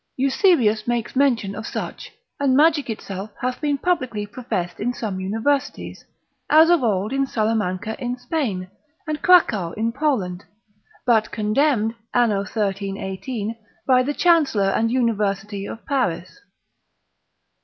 Eusebius makes mention of such, and magic itself hath been publicly professed in some universities, as of old in Salamanca in Spain, and Krakow in Poland: but condemned anno 1318, by the chancellor and university of Paris.